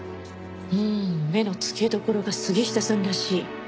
うん目のつけどころが杉下さんらしい。